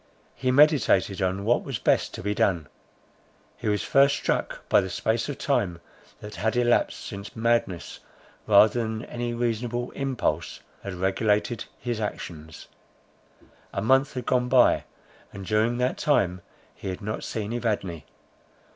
He meditated on what was best to be done. He was first struck by the space of time that had elapsed, since madness, rather than any reasonable impulse, had regulated his actions. A month had gone by, and during that time he had not seen Evadne.